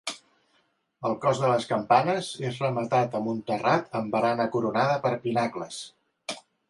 El cos de les campanes és rematat per un terrat amb barana coronada per pinacles.